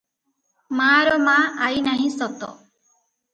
ମାର ମା ଆଇ ନାହିଁ ସତ!